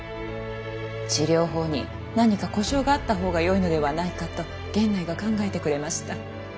治療法に何か呼称があったほうがよいのではないかと源内が考えてくれました。